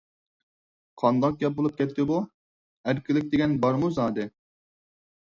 قانداق گەپ بولۇپ كەتتى بۇ؟ ئەركىنلىك دېگەن بارمۇ زادى؟